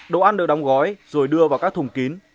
đồ ăn được đóng gói rồi đưa vào các thùng kín